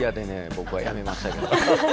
僕はやめましたけど。